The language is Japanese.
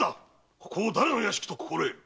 ここを誰の屋敷と心得る？